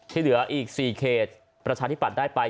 ที่เหลืออีก๔เขตประชาธิปัตย์ได้ไป